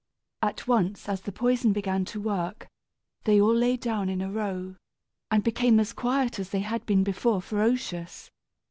At once, as the poison began to work, they all lay down in a row, and became as quiet as they had been before ferocious.